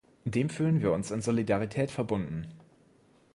Dem fühlen wir uns in Solidarität verbunden.